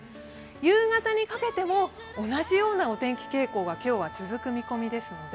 夕方にかけても同じようなお天気傾向が今日は続く見込みです。